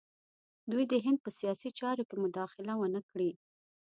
دوی د هند په سیاسي چارو کې مداخله ونه کړي.